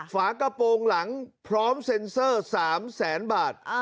ฝากระโปรงหลังพร้อมเซ็นเซอร์๓แสนบาท